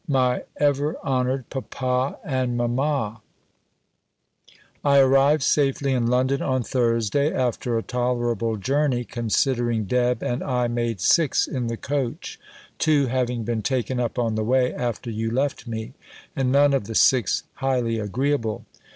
MY EVER HONOURED PAPA AND MAMMA, I arrived safely in London on Thursday, after a tolerable journey, considering Deb and I made six in the coach (two having been taken up on the way, after you left me), and none of the six highly agreeable.